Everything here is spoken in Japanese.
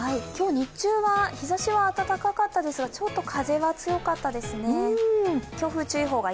今日日中は日ざしは暖かかったですが、ちょっと風は強かったですね。